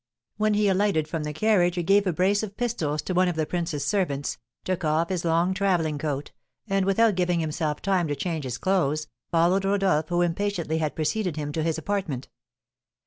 When he alighted from the carriage he gave a brace of pistols to one of the prince's servants, took off his long travelling coat, and, without giving himself time to change his clothes, followed Rodolph, who impatiently had preceded him to his apartment.